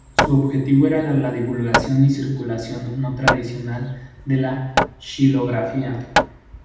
Su objetivo era la divulgación y circulación no tradicional de la xilografía.